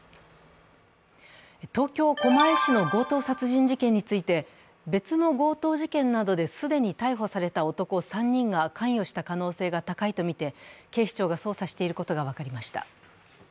東京・狛江市の強盗殺人事件について、別の強盗事件などで既に逮捕された男３人が関与した可能性が高いとみて、警視庁が捜査していることが分かりました。